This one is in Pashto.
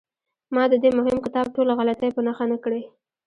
ما د دې مهم کتاب ټولې غلطۍ په نښه نه کړې.